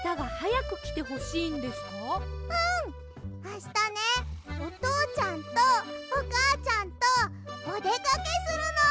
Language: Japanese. あしたねおとうちゃんとおかあちゃんとおでかけするの！